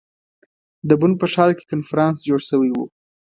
د بن په ښار کې کنفرانس جوړ شوی ؤ.